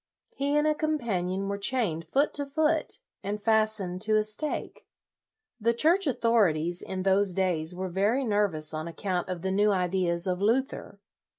He and a companion were chained foot to foot, and fastened to a stake. The Church authorities, in those days, were very nervous on account of the new ideas of Luther.